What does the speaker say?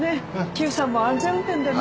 久さんも安全運転でな。